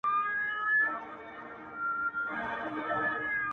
ته یې ګاږه زموږ لپاره خدای عادل دی،